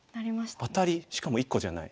アタリしかも１個じゃない。